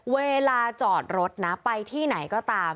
เวลาจอดรถนะไปที่ไหนก็ตาม